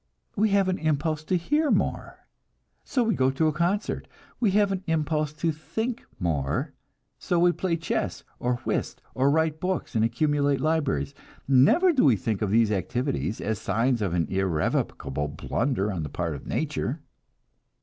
We have an impulse to hear more, so we go to a concert. We have an impulse to think more, so we play chess, or whist, or write books and accumulate libraries. Never do we think of these activities as signs of an irrevocable blunder on the part of nature.